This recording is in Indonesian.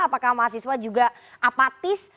apakah mahasiswa juga apatis